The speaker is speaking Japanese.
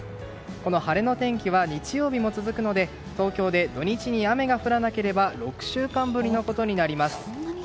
この晴れの天気は日曜日も続くので、東京で土日に雨が降らなければ６週間ぶりのことになります。